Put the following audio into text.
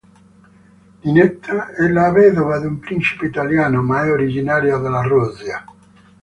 Ninetta è la vedova di un principe italiano, ma è originaria della Russia.